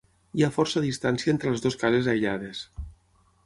Hi ha força distància entre les dues cases aïllades.